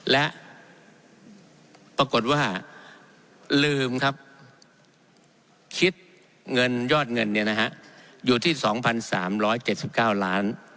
และปรากฏว่าลืมครับคิดเงินยอดเงินอยู่ที่๒๓๗๙ล้าน